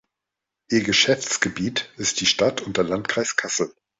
Ihr Geschäftsgebiet ist die Stadt und der Landkreis Kassel.